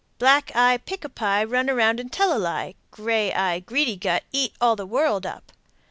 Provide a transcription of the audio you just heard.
Black eye, pick a pie, Run around and tell a lie! Gray eye greedy gut Eat all the world up!